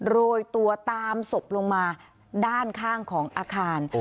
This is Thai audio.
โรยตัวตามศพลงมาด้านข้างของอาคาร